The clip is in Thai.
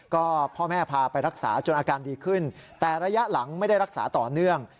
ก็พ่อแม่พาไปรักษาจนอาการดีขึ้นแต่ระยะหลังไม่ได้รักษาต่อเนื่อง